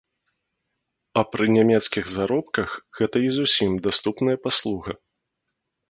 А пры нямецкіх заробках гэта і зусім даступная паслуга.